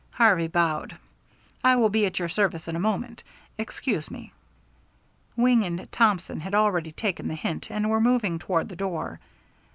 Harvey bowed. "I will be at your service in a moment. Excuse me." Wing and Thompson had already taken the hint, and were moving toward the door.